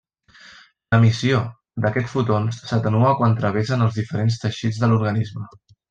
L'emissió d'aquests fotons s'atenua quan travessen els diferents teixits de l'organisme.